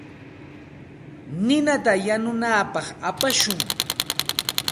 Ninata yanunapaq apashun.